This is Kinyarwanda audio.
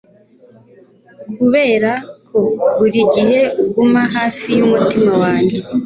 Kubera ko buri gihe uguma hafi y'umutima wanjye